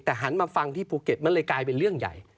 แต่หันมาฟังที่ภูเก็ตมันเลยกลายเป็นเรื่องใหญ่